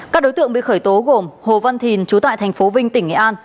các đối tượng bị khởi tố gồm hồ văn thìn chú tại thành phố vinh tỉnh nghệ an